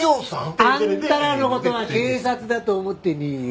「テレテレテ」あんたらの事は警察だと思ってねえよ。